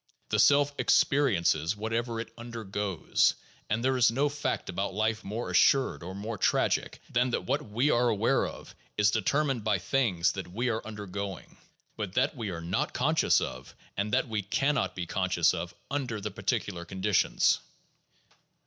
The self experi ences whatever it undergoes, and there is no fact about life more assured or more tragic than that what we are aware of is determined by things that we are undergoing, but that we are not conscious of and that we can not be conscious of under the particular conditions.